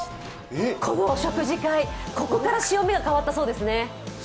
この食事会、ここから潮目か変わったそうですね。